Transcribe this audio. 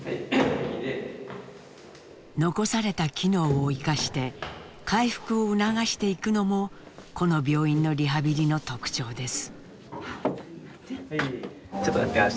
残された機能を生かして回復を促していくのもこの病院のリハビリの特徴です。